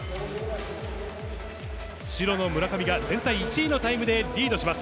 白の村上が全体１位のタイムでリードします。